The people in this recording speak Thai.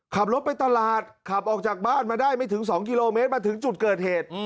ขับรถไปตลาดขับออกจากบ้านมาได้ไม่ถึง๒กิโลเมตรมาถึงจุดเกิดเหตุ